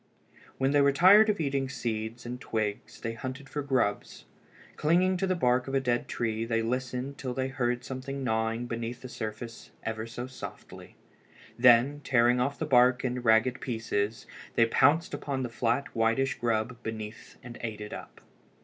When they were tired of eating seeds and twigs they hunted for grubs. Clinging to the bark of a dead tree they listened till they heard something gnawing beneath the surface ever so softly. Then, tearing off the bark in ragged pieces, they pounced upon the flat whitish grub beneath and ate it up.